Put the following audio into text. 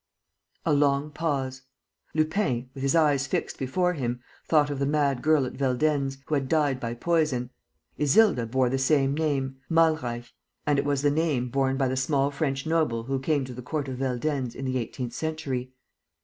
A long pause. Lupin, with his eyes fixed before him, thought of the mad girl at Veldenz, who had died by poison: Isilda bore the same name, Malreich. And it was the name borne by the small French noble who came to the court of Veldenz in the eighteenth century.